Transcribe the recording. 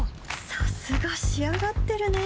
さすが仕上がってるね